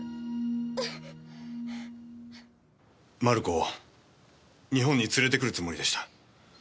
マルコを日本に連れてくるつもりでした。